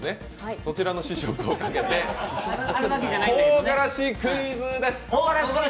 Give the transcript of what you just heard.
そちらの試食をかけてとうがらしクイズです。